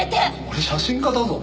俺写真家だぞ。